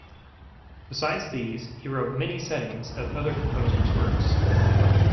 Besides these, he wrote many settings of other composers' works.